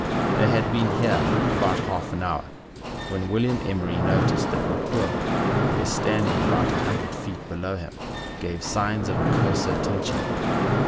They had been here about half an hour, when William Emery noticed that Mokoum, who was standing about loo feet below him, gave signs of a closer attention.